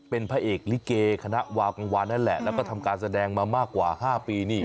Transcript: เป็นพระเอกลิเกคณะวากังวานนั่นแหละแล้วก็ทำการแสดงมามากกว่า๕ปีนี่